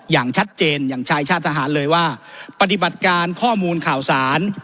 อย่างชัดเจนอย่างชายชาติทหารเลยว่าปฏิบัติการข้อมูลข่าวสาร